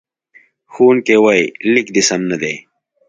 ښوونکی وایي، لیک دې سم نه دی.